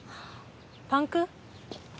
パンク？